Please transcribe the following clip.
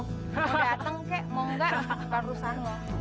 mau datang kek mau enggak perusan lo